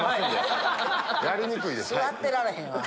座ってられへんわ。